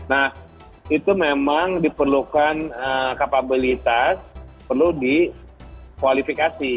nah itu memang diperlukan kapabilitas perlu di kualifikasi